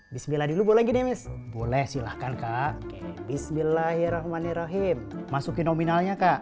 bismillah dulu boleh gini boleh silahkan kak bismillahirrahmanirrahim masukin nominalnya kak